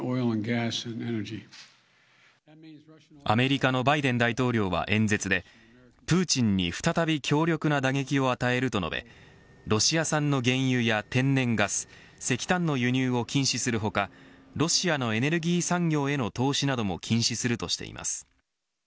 アメリカのバイデン大統領は演説でプーチンに再び強力な打撃を与えると述べロシア産の原油や天然ガス石炭の輸入を禁止する他ロシアのエネルギー産業への投資なども禁止するとしています。